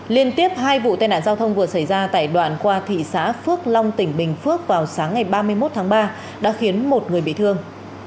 liên tiếp hai vụ tai nạn giao thông vừa xảy ra tại đoạn qua thị xã phước long tỉnh bình phước vào sáng ngày ba mươi một tháng ba đã khiến một người bị thương